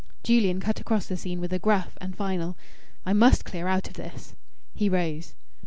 Julian cut across the scene with a gruff and final "I must clear out of this!" He rose.